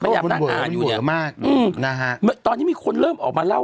ไม่อยากนั้นอ่านอยู่อย่างนี้ตอนนี้มีคนเริ่มออกมาเล่า